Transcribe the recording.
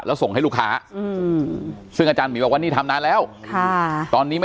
แล้วส่งให้ลูกค้าซึ่งอาจารย์หมีบอกว่านี่ทำนานแล้วค่ะตอนนี้ไม่